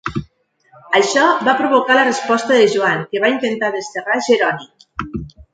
Això va provocar la resposta de Joan, que va intentar desterrar Jeroni.